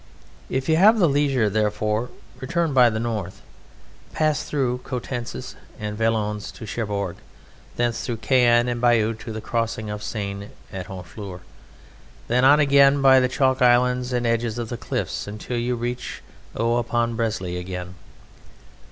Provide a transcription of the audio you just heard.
If you have the leisure, therefore, return by the north. Pass through Coutances and Valognes to Cherbourg, thence through Caen and Bayeux to the crossing of Seine at Honfleur, and then on by the chalk uplands and edges of the cliffs till you reach Eu upon the Bresle again.